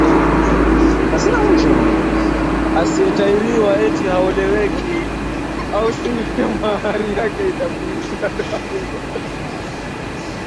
asiyetahiriwa eti haoleweki au sivyo mahari yake itapunguzwaTohara hizo ni kawaida kufanywa na